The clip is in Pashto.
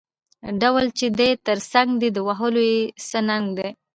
ـ ډول چې دې تر څنګ دى د وهلو يې څه ننګ دى.